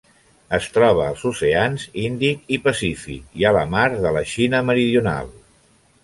Es troba als oceans Índic i Pacífic, i a la Mar de la Xina Meridional.